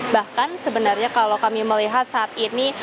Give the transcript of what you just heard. bahkan sebenarnya kalau kami melihat saat ini